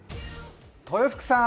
豊福さん